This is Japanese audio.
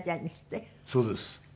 そうです。